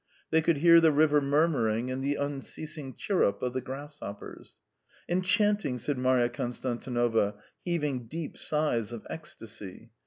They could hear the river murmuring and the unceasing chirrup of the grasshoppers. "Enchanting!" said Marya Konstantinovna, heaving deep sighs of ecstasy.